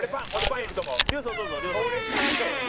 俺かい！